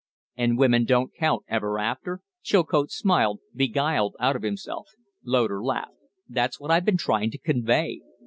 "And women don't count ever after?" Chilcote smiled, beguiled out of himself. Loder laughed. "That's what I've been trying to convey.